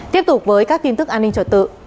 tiếp tục với các tin tức an ninh trở tự